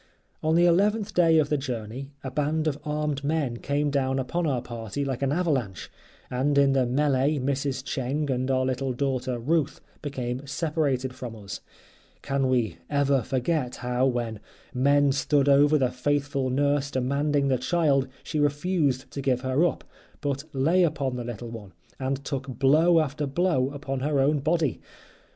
On the eleventh day of the journey a band of armed men came down upon our party like an avalanche, and in the melee Mrs. Cheng and our little daughter, Ruth, became separated from us. Can we ever forget, how, when men stood over the faithful nurse demanding the child, she refused to give her up, but lay upon the little one, and took blow after blow upon her own body?